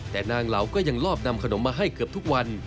แต่นางเหลาก็ยังลอบนำขนมมาให้เกือบทุกวัน